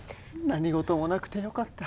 何事もなくてよかった。